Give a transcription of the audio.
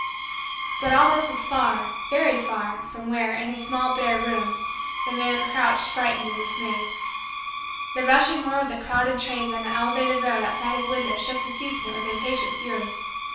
But all this was far, very far, from where, in his small bare room, the man crouched frightened and dismayed. The rush and roar of the crowded trains on the elevated road outside his window shook the casement with impatient fury.